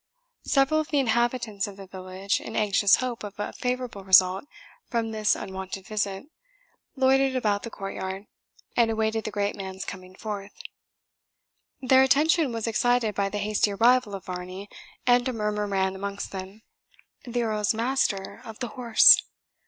Several of the inhabitants of the village, in anxious hope of a favourable result from this unwonted visit, loitered about the courtyard, and awaited the great man's coming forth. Their attention was excited by the hasty arrival of Varney, and a murmur ran amongst them, "The Earl's master of the horse!"